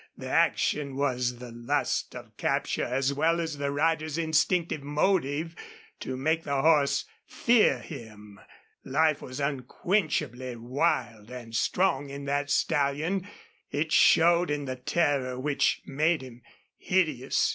The action was the lust of capture as well as the rider's instinctive motive to make the horse fear him. Life was unquenchably wild and strong in that stallion; it showed in the terror which made him hideous.